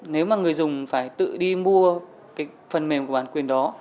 nếu mà người dùng phải tự đi mua cái phần mềm của bản quyền đó